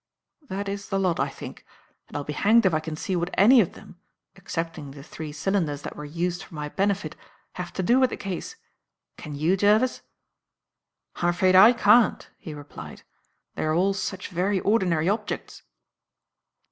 That is the lot, I think, and I'll be hanged if I can see what any of them excepting the three cylinders that were used for my benefit have to do with the case. Can you, Jervis?" "I'm afraid I can't," he replied. "They are all such very ordinary objects."